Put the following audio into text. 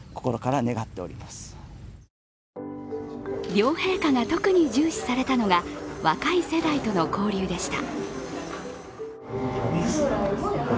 両陛下が特に重視されたのが若い世代との交流でした。